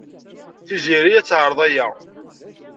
Tiziri ad teɛreḍ aya.